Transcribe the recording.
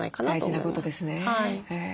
大事なことですね。